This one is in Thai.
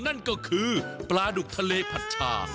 นั่นก็คือปลาดุกทะเลผัดชา